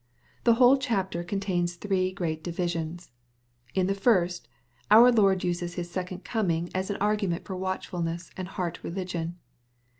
The whole chapter contains three great divisions. In the first^ our Lord uses his own second coming as an argument for watchfulness and heart religion.